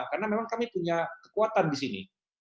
karena memang kami punya kekuatan di sini